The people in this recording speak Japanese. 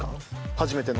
初めての。